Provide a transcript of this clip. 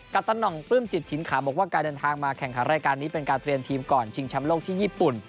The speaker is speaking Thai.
ตะหน่องปลื้มจิตถิ่นขาบอกว่าการเดินทางมาแข่งขันรายการนี้เป็นการเตรียมทีมก่อนชิงแชมป์โลกที่ญี่ปุ่น